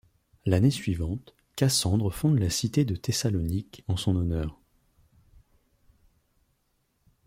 L'année suivante, Cassandre fonde la cité de Thessalonique en son honneur.